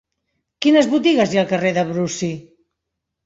Quines botigues hi ha al carrer de Brusi?